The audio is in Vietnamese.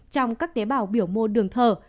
trong các tế bào biểu mô đường thờ